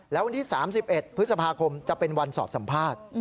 แล้ววันที่๓๑พฤษภาคมจะเป็นวันสอบสัมภาษณ์